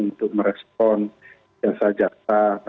untuk merespon jasa jasa